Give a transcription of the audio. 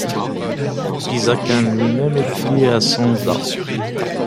Pisacane lui-même est tué à Sanza.